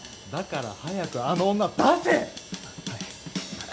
だから早くあの女出せ！